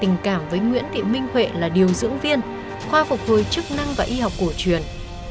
tình cảm với nguyễn thị minh huệ là điều dưỡng viên khoa phục hồi chức năng và y học cổ truyền